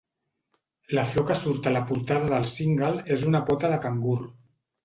La flor que surt a la portada del single és una pota de cangur.